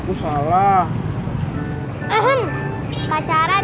karena nyampe sini gak kecemetan